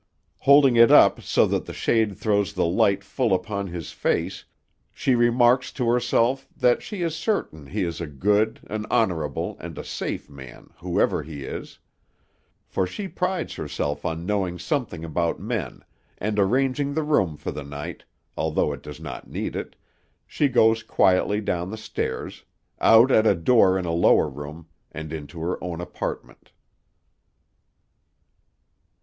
Holding it up so that the shade throws the light full upon his face, she remarks to herself that she is certain he is a good, an honorable, and a safe man, whoever he is, for she prides herself on knowing something about men, and arranging the room for the night, although it does not need it, she goes quietly down the stairs, out at a door in a lower room, and into her own apartment.